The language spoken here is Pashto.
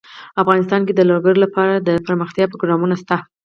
افغانستان کې د لوگر لپاره دپرمختیا پروګرامونه شته.